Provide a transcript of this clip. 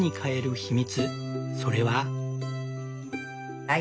それは。